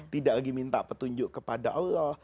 tidak lagi minta petunjuk kepada allah